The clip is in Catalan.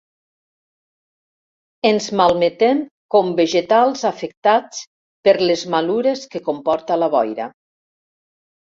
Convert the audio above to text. Ens malmetem com vegetals afectats per les malures que comporta la boira.